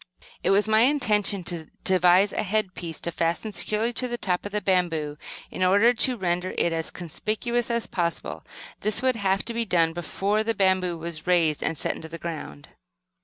It was my intention to devise a headpiece to fasten securely to the top of the bamboo in order to render it as conspicuous as possible. This would have to be done before the bamboo was raised and set into the ground.